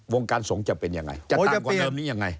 วงการสงฆ์จะเป็นอย่างไรจะตามกว่าเดิมนี้อย่างไร